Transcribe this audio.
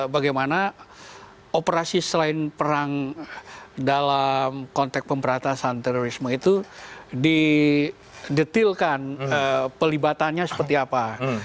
bagaimana operasi selain perang dalam konteks pemberantasan terorisme itu didetilkan pelibatannya seperti apa